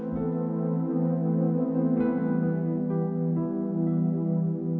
letakkan orang yang budset ini